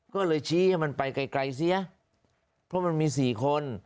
ก็เลยชี้ให้มันไปไกลไกลซิเพราะมันมีสี่คน